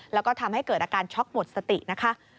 แล้วก็ทำให้เกิดอาการช็อกหมดสตินะคะ